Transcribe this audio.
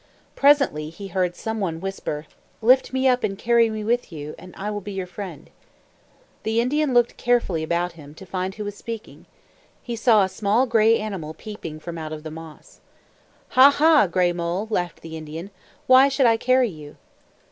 Presently he heard some one whisper, "Lift me up and carry me with you, and I will be your friend." The Indian looked carefully about him, to find who was speaking. He saw a small, gray animal peeping from out of the moss. "Ha, ha, Gray Mole!" laughed the Indian. "Why should I carry you?"